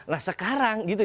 nah sekarang gitu